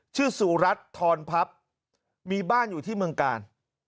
๒๑๖๔ชื่อสุรัทธรพมีบ้านอยู่ที่เมืองกาล